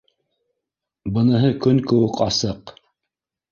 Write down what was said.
Быныһы көн кеүек асыҡ